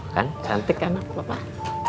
kan cantik kan apa pak